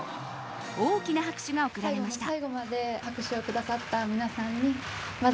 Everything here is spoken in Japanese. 大きな拍手が送られました。